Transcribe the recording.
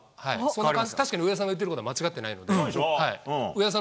確かに上田さんが言ってることは間違ってないと思います。